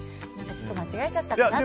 ちょっと間違えちゃったかな。